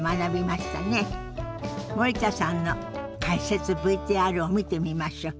森田さんの解説ＶＴＲを見てみましょう。